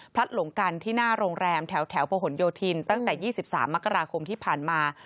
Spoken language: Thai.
หลงกันที่หน้าโรงแรมแถวพะหนโยธินตั้งแต่๒๓มกราคมที่ผ่านมา